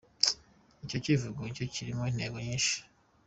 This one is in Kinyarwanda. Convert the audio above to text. Icyo cyivugo cyayo kirimo intego nyinshi.